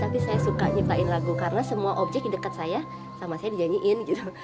tapi saya suka nyiplain lagu karena semua objek di dekat saya sama saya dinyanyiin gitu